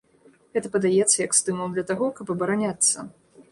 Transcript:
Гэта падаецца як стымул для таго, каб абараняцца.